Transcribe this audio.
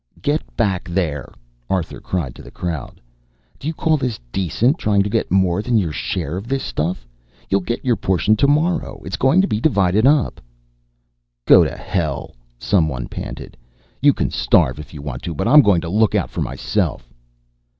"Get back there," Arthur cried to the crowd. "Do you call this decent, trying to get more than your share of this stuff? You'll get your portion to morrow. It is going to be divided up." "Go to hell!" some one panted. "You c'n starve if you want to, but I'm goin' to look out f'r myself."